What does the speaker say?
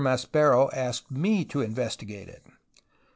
Maspero asked me to investigate it.